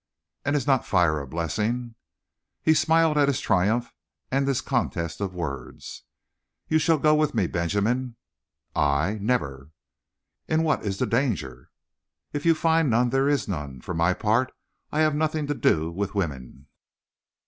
"And is not fire a blessing?" He smiled at his triumph and this contest of words. "You shall go with me, Benjamin." "I? Never!" "In what is the danger?" "If you find none, there is none. For my part I have nothing to do with women."